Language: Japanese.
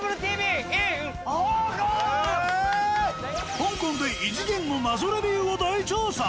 香港で異次元の謎レビューを大調査。